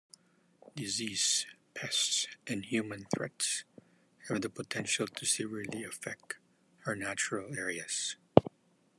Diseases, pests and human threats have the potential to severely affect our natural areas.